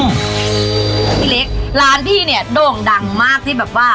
พี่เล็กร้านพี่เนี่ยโด่งดังมากที่แบบว่า